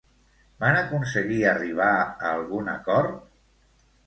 Van aconseguir arribar a algun acord?